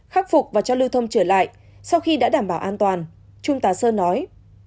khắc phục và cho lưu thông trở lại sau khi đã đảm bảo an toàn trung tá sơn nói